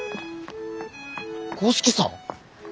五色さん！？